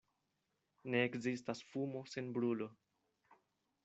Ne ekzistas fumo sen brulo.